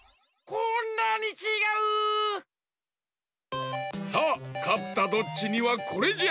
こんなにちがう！さあかったドッチにはこれじゃ。